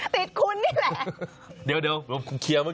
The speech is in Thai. ติดคุ้นนี่แหรเบื่อให้เขี้ยวต่อกัน